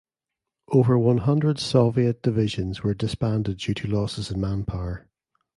Over one hundred Soviet divisions were disbanded due to losses in manpower.